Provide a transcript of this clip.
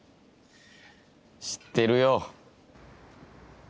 知ってるよ。